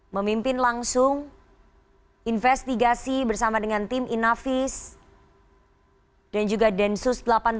memimpin langsung investigasi bersama dengan tim inavis dan juga densus delapan puluh delapan